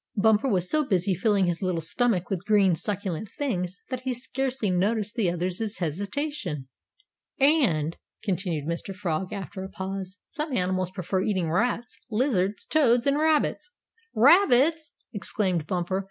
Bumper was so busy filling his little stomach with green, succulent things that he scarcely noticed the other's hesitation. " and," continued Mr. Frog, after a pause, "some animals prefer eating rats, lizards, toads, and rabbits." "Rabbits!" exclaimed Bumper.